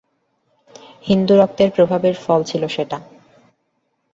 হিন্দুরক্তের প্রভাবের ফল ছিল সেটা।